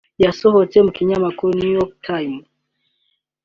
yasohotse mu kinyamakuru New York Times